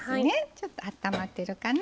ちょっとあったまってるかな。